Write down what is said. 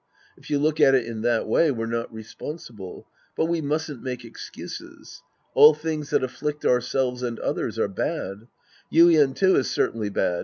If you look at it in that way, we're not responsible. But we mustn't make excuses. All things that afflict ourselves and others are bad. Yuien, too, is certainly bad.